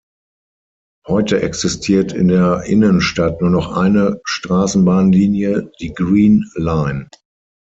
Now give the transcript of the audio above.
Heute existiert in der Innenstadt nur noch eine Straßenbahnlinie, die Green Line.